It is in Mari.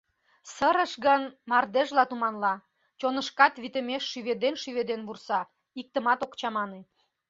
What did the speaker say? Сырыш гын, мардежла туманла, чонышкат витымеш шӱведен-шӱведен вурса — иктымат ок чамане.